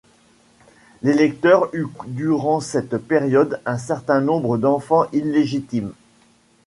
L'électeur eut durant cette période un certain nombre d'enfants illégitimes.